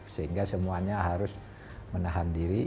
sehingga semuanya harus menahan diri